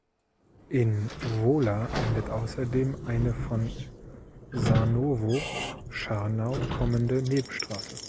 In Wola endet außerdem eine von Sarnowo "(Scharnau)" kommende Nebenstraße.